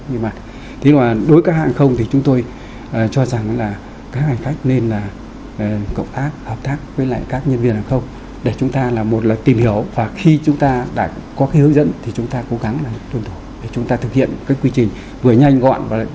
nhưng mà thế còn đối với các hãng không thì chúng tôi cho rằng là các hành khách nên là cộng tác hợp tác với lại các nhân viên hàng không để chúng ta là một là tìm hiểu và khi chúng ta đã có cái hướng dẫn thì chúng ta cố gắng là tuân thủ để chúng ta thực hiện cái quy trình vừa nhanh gọn